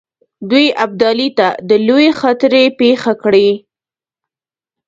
دوی ابدالي ته د لویې خطرې پېښه کړي.